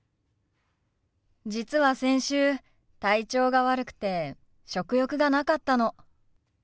実は先週体調が悪くて食欲がなかったの。